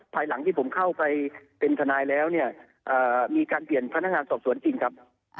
ภายหลังที่ผมเข้าไปเป็นทนายแล้วเนี่ยมีการเปลี่ยนพนักงานสอบสวนจริงครับ